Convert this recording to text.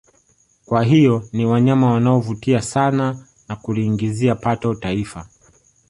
Kwa hiyo ni wanyama wanao vutia sana na kuliingizia pato taifa